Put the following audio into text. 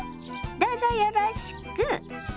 どうぞよろしく。